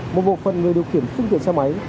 một bộ phần người điều khiển phương tiện xe máy